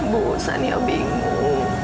bu sania bingung